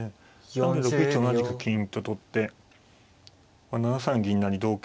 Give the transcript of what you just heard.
なので６一同じく金と取って７三銀成同桂